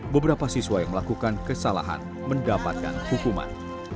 beberapa siswa yang melakukan kesalahan mendapatkan hukuman